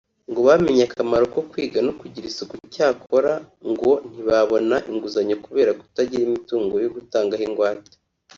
ngo bamenye akamaro ko kwiga no kugira isuku cyakora ngo ntibabona inguzanyo kubera kutagira imitungo yo gutangaho ingwate